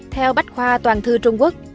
theo bách khoa toàn thư trung quốc